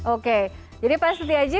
oke jadi pak setiaji